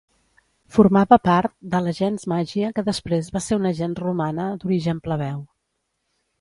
Formava part de la gens Màgia, que després va ser una gens romana d'origen plebeu.